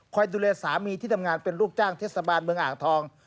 ดูแลสามีที่ทำงานเป็นลูกจ้างเทศบาลเมืองอ่างทอง